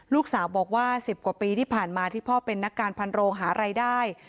ลูกสาวบอกว่า๑๐กว่าปีที่ผ่านมาที่พ่อเป็นนักการพันโรงหารายได้